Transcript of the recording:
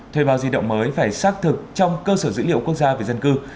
thuê bao di động mới phải xác thực trong cơ sở dữ liệu quốc gia về dân cư